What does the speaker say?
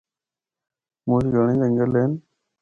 مُچ گھَنڑے جنگل ہن۔